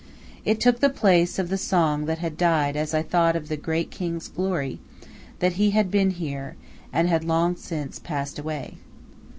It took the place of the song that had died as I thought of the great king's glory; that he had been here, and had long since passed away.